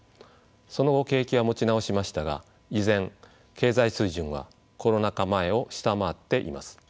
その後景気は持ち直しましたが依然経済水準はコロナ禍前を下回っています。